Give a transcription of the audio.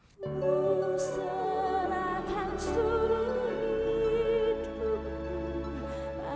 kuserahkan seluruh hidupku